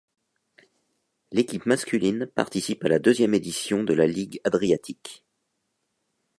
L'équipe masculine participe à la deuxième édition de la Ligue adriatique.